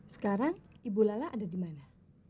sekarang ibu lala ada di mana